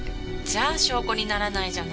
じゃあ証拠にならないじゃない。